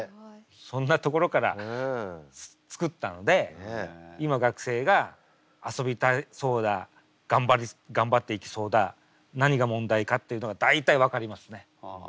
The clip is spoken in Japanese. そんなところから作ったので今学生が遊びたそうだがんばっていきそうだ何が問題かっていうのが大体分かりますね。